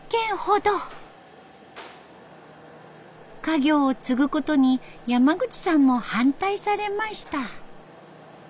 家業を継ぐことに山口さんも反対されました。